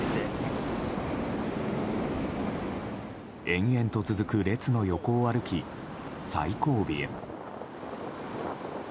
延々と続く列の横を歩き最後尾へ。